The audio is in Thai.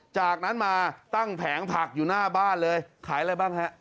จากนั้นมาตั้งแผงผักอยู่หน้าบ้านเลยขายอะไรบ้างฮะ